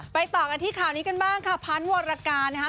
ไปต่อกันที่ข่าวนี้กันบ้างค่ะพันวรกานะฮะ